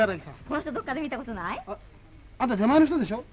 この人どっかで見たことない？あんた出前の人でしょ？